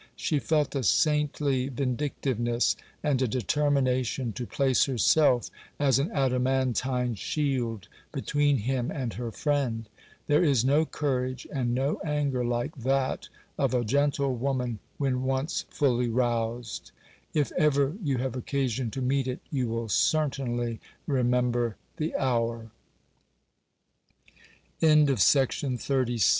She felt a saintly vindictiveness, and a determination to place herself as an adamantine shield between him and her friend. There is no courage and no anger like that of a gentle woman when once fully roused; if ever you have occasion to meet it, you will cer